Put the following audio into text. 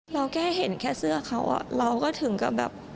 เราแค่เห็นแค่เสื้อเขาเราก็ถึงกับแบบ